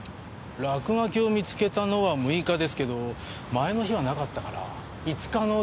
落書きを見つけたのは６日ですけど前の日はなかったから５日の夜かな？